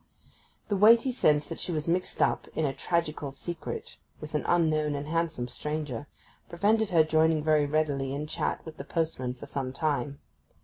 The weighty sense that she was mixed up in a tragical secret with an unknown and handsome stranger prevented her joining very readily in chat with the postman for some time.